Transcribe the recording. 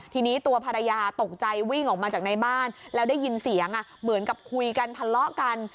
ทีนี้ตัวภรรยาตกใจวิ่งออกมาจากในบ้านแล้วได้ยินเสียงเหมือนกับคุยกันทะเลาะกัน